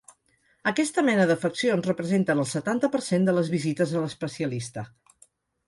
Aquesta mena d’afeccions representen el setanta per cent de les visites a l’especialista.